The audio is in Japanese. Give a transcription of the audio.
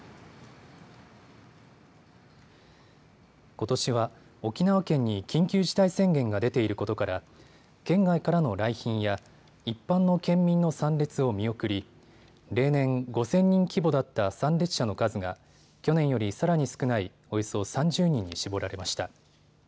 ことしは沖縄県に緊急事態宣言が出ていることから県外からの来賓や、一般の県民の参列を見送り例年、５０００人規模だった参列者の数が去年よりさらに少ないおよそ３０人に絞られました。